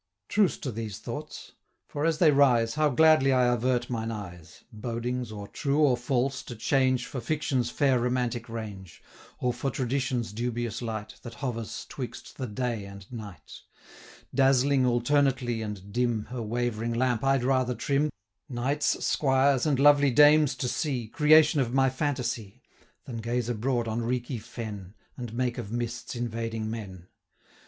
120 Truce to these thoughts! for, as they rise, How gladly I avert mine eyes, Bodings, or true or false, to change, For Fiction's fair romantic range, Or for Tradition's dubious light, 125 That hovers 'twixt the day and night: Dazzling alternately and dim Her wavering lamp I'd rather trim, Knights, squires, and lovely dames, to see, Creation of my fantasy, 130 Than gaze abroad on reeky fen, And make of mists invading men.